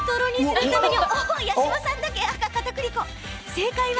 正解は。